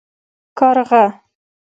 🐦⬛ کارغه